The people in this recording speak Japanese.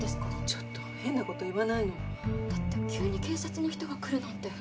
ちょっと変なこと言わないのだって急に警察の人が来るなんて